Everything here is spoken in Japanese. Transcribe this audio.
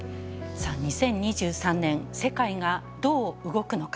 さあ２０２３年世界がどう動くのか。